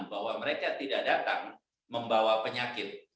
bahwa mereka tidak datang membawa penyakit